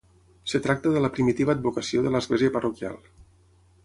Es tracta de la primitiva advocació de l'església parroquial.